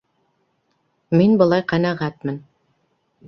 Мин былай ҡәнәғәтмен.